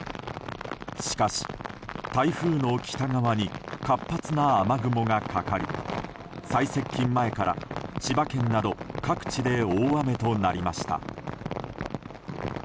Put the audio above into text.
しかし、台風の北側に活発な雨雲がかかり最接近前から千葉県など各地で大雨となりました。